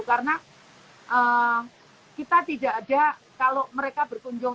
karena kita tidak ada kalau mereka berkunjung